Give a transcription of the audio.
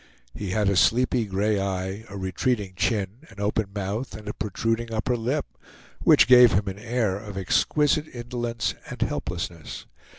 He had a sleepy gray eye, a retreating chin, an open mouth and a protruding upper lip, which gave him an air of exquisite indolence and helplessness.